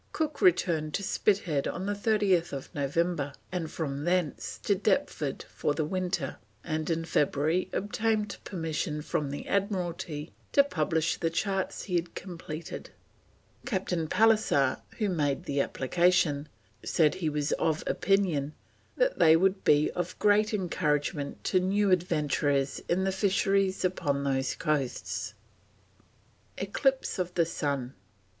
Cook returned to Spithead on 30th November, and from thence to Deptford for the winter, and in February obtained permission from the Admiralty to publish the charts he had completed; Captain Pallisser, who made the application, said he was of opinion that they "would be of great encouragement to new adventurers on the fisheries upon those coasts." ECLIPSE OF THE SUN.